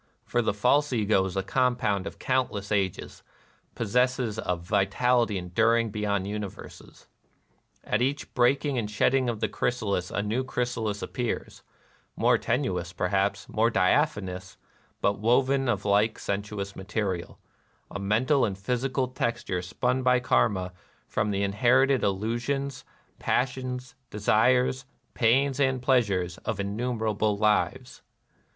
For the false Ego is a compound of countless ages, — possesses a vitality enduring beyond universes. At each breaking and shedding of the chrysalis a new chrysalis appears, — more tenous, perhaps, more diaphanous, but woven of like sensuous material, — a mental and physical texture spun by Karma from the in herited illusions, passions, desires, pains and pleasures, of innumerable lives.